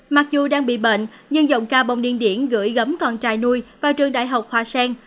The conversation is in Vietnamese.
mặc dù đang bị bệnh nhưng giọng ca bông điên điển gửi gấm con trai nuôi vào trường đại học hoa sen